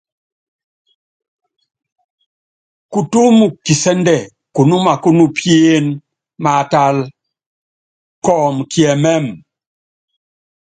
Kutúmu kisɛ́ndɛ kunúma kúnupíené maátálá, kɔɔmɔ kiɛmɛ́mɛ.